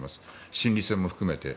心理戦も含めて。